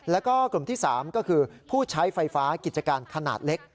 แล้วก็กลุ่มที่๓ก็คือผู้ใช้ไฟฟ้ากิจการขนาดเล็ก